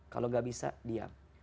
kalau gak bisa diam